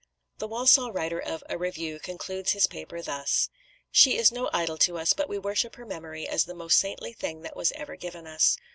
The Walsall writer of "A Review" concludes his paper thus: She is no idol to us, but we worship her memory as the most saintly thing that was ever given us.